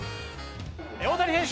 大谷選手